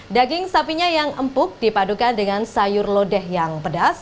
daging sapinya yang empuk dipadukan dengan sayur lodeh yang pedas